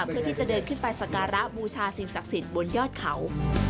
เพื่อที่จะเดินขึ้นไปสการะบูชาสิ่งศักดิ์สิทธิ์บนยอดเขา